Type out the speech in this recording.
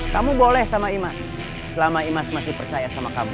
kamu boleh sama imas selama imas masih percaya sama kamu